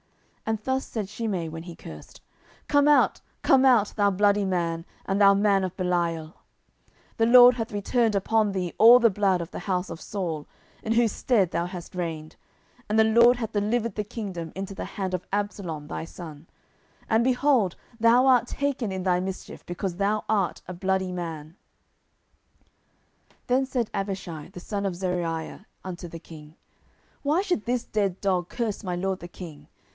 10:016:007 And thus said Shimei when he cursed, Come out, come out, thou bloody man, and thou man of Belial: 10:016:008 The LORD hath returned upon thee all the blood of the house of Saul, in whose stead thou hast reigned; and the LORD hath delivered the kingdom into the hand of Absalom thy son: and, behold, thou art taken in thy mischief, because thou art a bloody man. 10:016:009 Then said Abishai the son of Zeruiah unto the king, Why should this dead dog curse my lord the king?